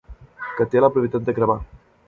Que té la propietat de cremar.